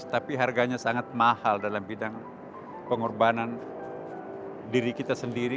tapi harganya sangat mahal dalam bidang pengorbanan diri kita sendiri